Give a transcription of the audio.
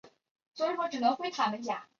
表字稷臣。